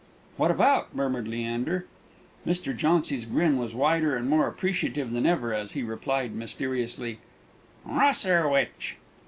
"What about?" murmured Leander. Mr. Jauncy's grin was wider and more appreciative than ever as he replied, mysteriously, "Rosherwich!"